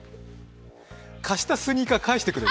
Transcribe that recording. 貸したスニーカー、返してくれる？